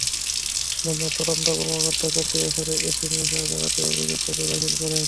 মামলার তদন্ত কর্মকর্তা চলতি বছরের এপ্রিল মাসে আদালতে অভিযোগপত্র দাখিল করেন।